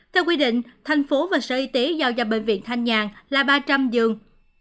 theo quy định thành phố và sở y tế giao cho bệnh viện thanh nhàn là ba trăm linh giường